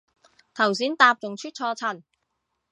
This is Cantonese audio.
頭先搭仲出錯層